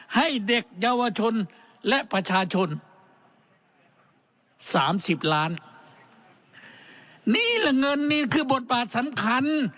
ให้เด็กเยาวชนและประชาชนสามสิบล้านนี่แหละเงินนี่คือบทบาทสำคัญ